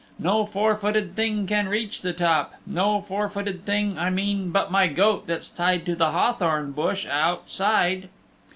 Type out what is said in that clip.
No four footed thing can reach the top no four footed thing, I mean, but my goat that's tied to the hawthorn bush outside."